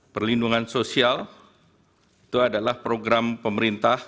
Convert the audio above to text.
perlindungan sosial itu adalah program pemerintah